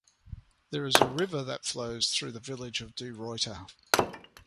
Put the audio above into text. There is a river that flows through the Village of DeRuyter.